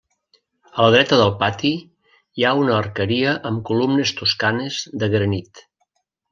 A la dreta del pati hi ha una arqueria amb columnes toscanes de granit.